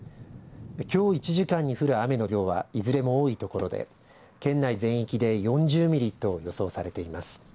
きょう１時間に降る雨の量はいずれも多いところで県内全域で４０ミリと予想されています。